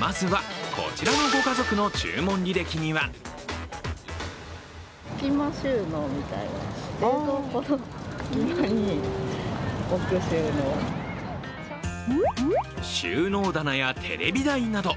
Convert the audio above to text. まずはこちらのご家族の注文履歴には収納棚やテレビ台など。